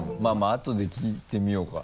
あとで聞いてみようか。